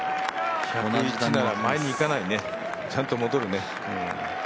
１０１なら前に行かないね、ちゃんと戻るね。